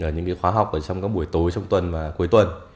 những khóa học trong các buổi tối trong tuần và cuối tuần